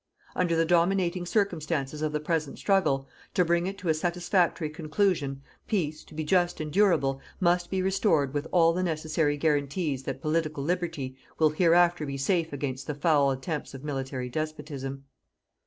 Under the dominating circumstances of the present struggle, to bring it to a satisfactory conclusion, peace, to be Just and Durable, must be restored with all the necessary guarantees that Political Liberty will hereafter be safe against the foul attempts of military despotism.